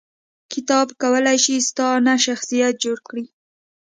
کتاب کولای شي ستا نه شخصیت جوړ کړي